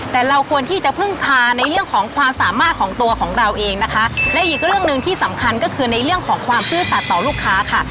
แต่เราควรที่จะพึ่งพาในเรื่องของความสามารถของตัวของเราเองนะคะและอีกเรื่องหนึ่งที่สำคัญก็คือในเรื่องของความซื่อสัตว์ต่อลูกค้าค่ะ